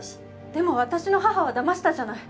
でも私の母は騙したじゃない！